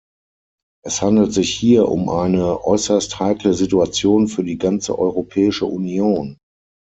Es handelt sich hier um eine äußerst heikle Situation für die ganze Europäische Union.